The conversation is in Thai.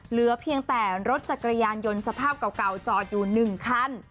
เหลือเพียงแต่รถจักรยานยนต์สภาพเก่าจอดอยู่๑คัน